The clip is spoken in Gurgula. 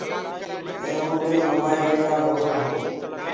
مينٚ اُرو دن موبآئيل ليوآ گو تو۔